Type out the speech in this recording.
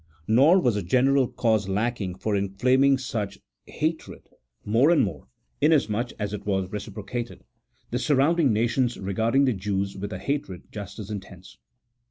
Nor was a general cause lacking for inflaming such hatred more and more, inasmuch as it was reciprocated ; the surrounding nations regarding the Jews with a hatred just as intense.